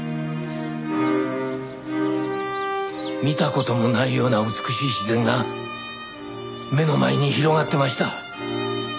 見た事もないような美しい自然が目の前に広がってました。